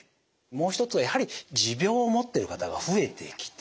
もう一つはやはり持病を持ってる方が増えてきて